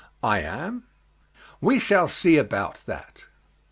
"I am." "We shall see about that."